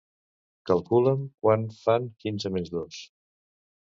Calcula'm quant fan quinze menys dos.